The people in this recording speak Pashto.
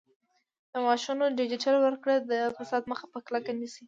د معاشونو ډیجیټل ورکړه د فساد مخه په کلکه نیسي.